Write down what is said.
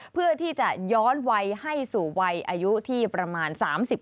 เพื่อที่จะย้อนวัยให้สู่วัยอายุที่ประมาณ๓๐